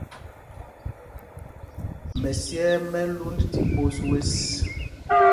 Mɛsyɛɛ mɛ́ ɛ́ lwōnd tí ɓos wes.